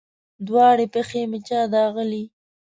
دواړې پښې مې چا داغلي